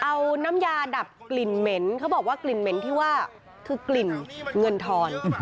เอาน้ำยาดับกลิ่นเหม็นเขาบอกว่ากลิ่นเหม็นที่ว่าคือกลิ่นเงินทอน